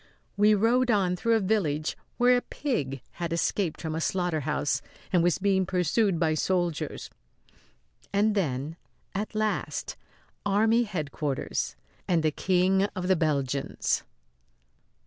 We rode on through a village where a pig had escaped from a slaughterhouse and was being pursued by soldiers and then, at last, army headquarters and the King of the Belgians.